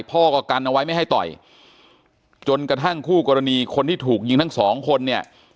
พ่อก็กันเอาไว้ไม่ให้ต่อยจนกระทั่งคู่กรณีคนที่ถูกยิงทั้งสองคนเนี่ย